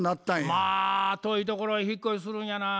まあ遠いところへ引っ越しするんやなぁ。